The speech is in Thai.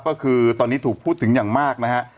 ก็คือตอนนี้ถูกพูดถึงอย่างมากนะฮะ